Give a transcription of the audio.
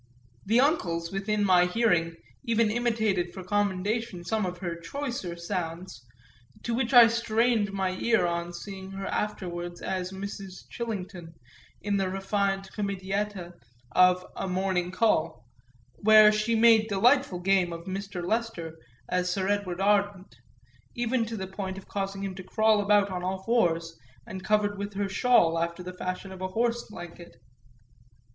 The Uncles, within my hearing, even imitated, for commendation, some of her choicer sounds, to which I strained my ear on seeing her afterwards as Mrs. Chillington in the refined comedietta of A Morning Call, where she made delightful game of Mr. Lester as Sir Edward Ardent, even to the point of causing him to crawl about on all fours and covered with her shawl after the fashion of a horse blanket.